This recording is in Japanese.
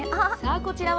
こちらは。